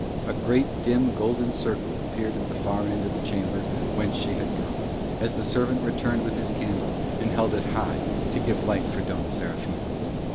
A great dim golden circle appeared at the far end of the chamber whence she had come, as the servant returned with his candle and held it high to give light for Dona Serafina.